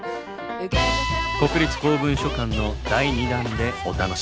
国立公文書館の第２弾でお楽しみ下さい。